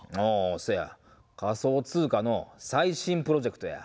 せや、仮想通貨の最新プロジェクトや。